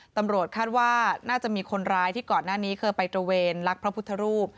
ตำรวจคาดว่าน่าจะมีคนร้ายที่ก่อนหน้านี้เคยไปตระเวนลักพระพุทธรูป